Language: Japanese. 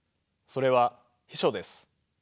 それは秘書です。